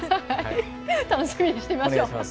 楽しみにしましょう。